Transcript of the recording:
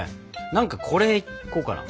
何かこれいこうかな。